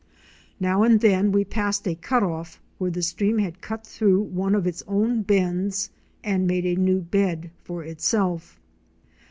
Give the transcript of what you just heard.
Now and then we passed a cut off where the stream had cut through one of its own bends and made a new bed for itself.